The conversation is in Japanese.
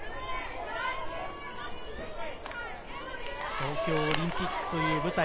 東京オリンピックという舞台。